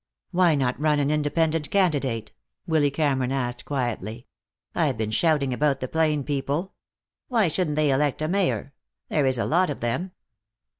"Why not run an independent candidate?" Willy Cameron asked quietly. "I've been shouting about the plain people. Why shouldn't they elect a mayor? There is a lot of them."